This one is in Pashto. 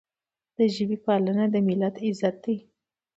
د ژبې پالنه د ملت عزت دی.